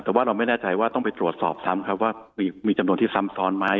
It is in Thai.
แต่ว่าเราไม่แน่ใจว่าต้องไปตรวจสอบซ้ำครับว่ามีจำนวนที่ซ้ำซ้อนไหม